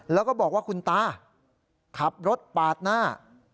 แล้วก็บอกว่าคุณตาขับรถปาดหน้า